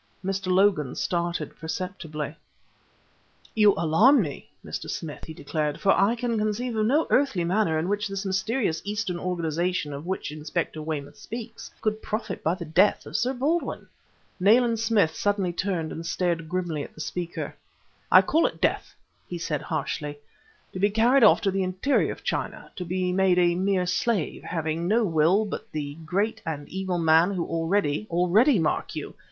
Mr. Logan started perceptibly. "You alarm me, Mr. Smith," he declared; "for I can conceive of no earthly manner in which this mysterious Eastern organization of which Inspector Weymouth speaks, could profit by the death of Sir Baldwin." Nayland Smith suddenly turned and stared grimly at the speaker. "I call it death," he said harshly, "to be carried off to the interior of China, to be made a mere slave, having no will but the great and evil man who already already, mark you!